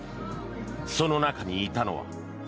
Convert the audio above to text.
その中にいたのは。